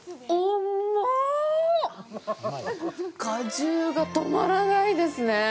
果汁が止まらないですね！